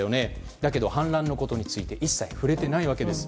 だけど、反乱について一切触れていないわけです。